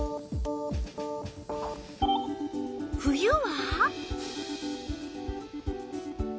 冬は？